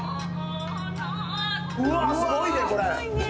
うわっ、すごいね、これ。